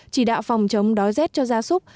chỉ đạo phòng chống đói rết cho gia súc